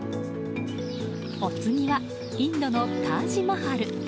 お次はインドのタージ・マハル。